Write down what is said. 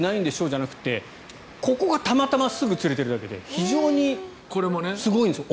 じゃなくてここがたまたますぐ釣れているだけで非常にすごいんですよ。